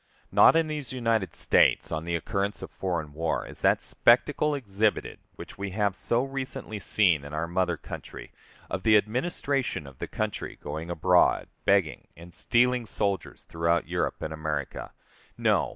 Not in these United States on the occurrence of foreign war is that spectacle exhibited which we have so recently seen in our mother country, of the administration of the country going abroad begging and stealing soldiers throughout Europe and America. No!